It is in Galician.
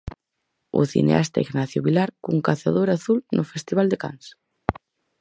O cineasta Ignacio Vilar, con cazadora azul, no Festival de Cans.